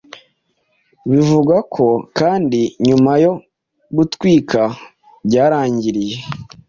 Bivugwa ko kandi nyuma yo gutwika byarangiriye